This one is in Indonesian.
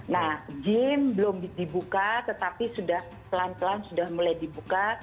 nah gym belum dibuka tetapi sudah pelan pelan sudah mulai dibuka